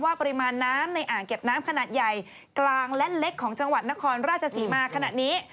ปริมาณน้ำในอ่างเก็บน้ำขนาดใหญ่กลางและเล็กของจังหวัดนครราชศรีมาขณะนี้